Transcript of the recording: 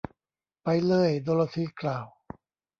“ไปเลย ! ” โดโรธีกล่าว